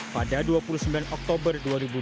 pada dua puluh sembilan oktober dua ribu dua puluh